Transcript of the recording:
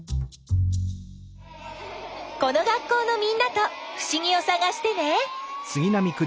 この学校のみんなとふしぎをさがしてね。